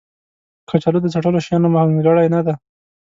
کچالو د څټلو شیانو منځګړی نه دی